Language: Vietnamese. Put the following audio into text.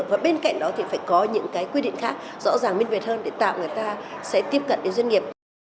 và bên cạnh đó thì phải có những cái quy định khác rõ ràng minh bạch hơn để tạo người ta sẽ tiếp cận đến doanh nghiệp